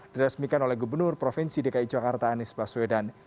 diresmikan oleh gubernur provinsi dki jakarta anies baswedan